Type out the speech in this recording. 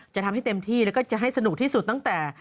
จะทำให้เต็มที่แล้วก็จะให้สนุกที่สุดตั้งแต่